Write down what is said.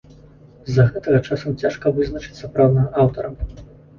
З-за гэтага часам цяжка вызначыць сапраўднага аўтара.